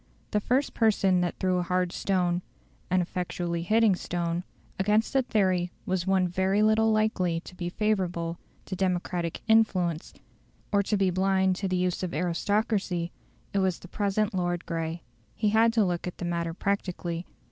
The first person who threw a hard stone an effectually hitting stone against the theory was one very little likely to be favourable to democratic influence, or to be blind to the use of aristocracy; it was the present Lord Grey. He had to look at the matter practically.